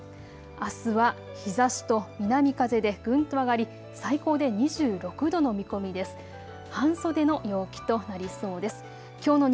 あすは日ざしと南風でぐんと上がり最高で２６度の見込みです。